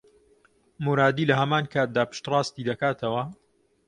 مورادی لە هەمان کاتدا پشتڕاستی دەکاتەوە